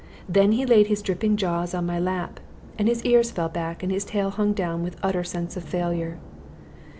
Then he laid his dripping jaws on my lap, and his ears fell back, and his tail hung down with utter sense of failure.